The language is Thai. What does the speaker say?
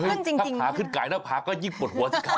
ถ้าขาขึ้นไก่หน้าผาก็ยิ่งปวดหัวสิครับ